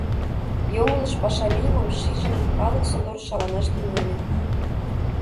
Йоҥылыш паша лиймым шижын, калык содор шаланаш тӱҥале.